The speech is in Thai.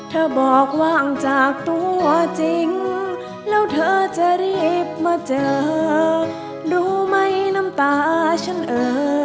บอกว่างจากตัวจริงแล้วเธอจะรีบมาเจอรู้ไหมน้ำตาฉันเออ